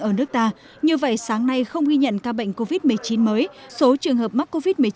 ở nước ta như vậy sáng nay không ghi nhận ca bệnh covid một mươi chín mới số trường hợp mắc covid một mươi chín